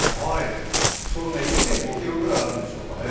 ちょうど１．５ｋｇぐらいあるんでしょうかね。